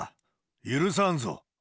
許さんぞ。